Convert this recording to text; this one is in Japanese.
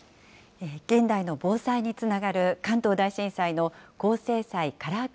現代の防災につながる関東大震災の高精細カラー化